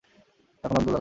ডাকনাম দুলাল।